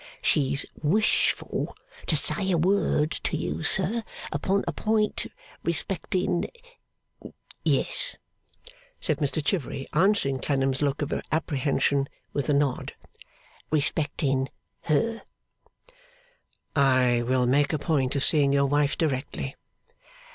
She's wishful to say a word to you, sir, upon a point respecting yes,' said Mr Chivery, answering Clennam's look of apprehension with a nod, 'respecting her.' 'I will make a point of seeing your wife directly.